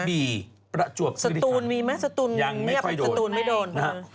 ประบีประจวบสตูนมีมั้ยยังไม่ค่อยโดน